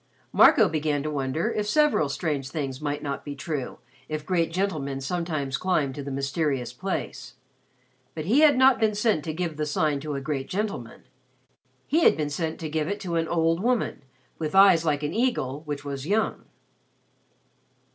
Marco began to wonder if several strange things might not be true if great gentlemen sometimes climbed to the mysterious place. But he had not been sent to give the Sign to a great gentleman. He had been sent to give it to an old woman with eyes like an eagle which was young.